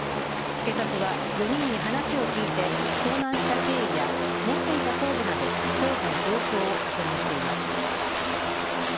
警察は４人に話を聞いて遭難した経緯や持っていた装備など当時の状況を確認しています。